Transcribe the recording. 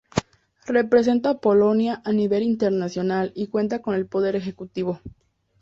Representa a Polonia a nivel internacional y cuenta con el poder ejecutivo.